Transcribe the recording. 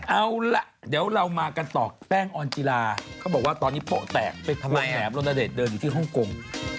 เอาล่ะเดี๋ยวเรามากันต่อแป้งออนจิลาเขาบอกว่าตอนนี้โป๊แตกคุณแหมรณเดชเดินอยู่ที่ฮ่องกง